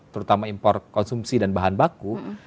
terutama impor konsumsi dan bahan baku